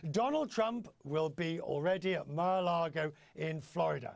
donald trump sudah berada di mar a lago di florida